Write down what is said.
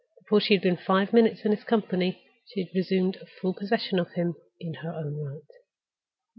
Before she had been five minutes in his company, she had resumed full possession of him in her own right.